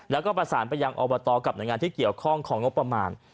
แล้วก็ประสานไปยังอบตกับหน่วยงานที่เกี่ยวข้องของงบประมาณ